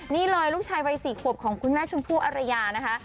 นี่เลยลูกชายวัย๔ขวบของคุณแม่ชมพู่อรยานะคะ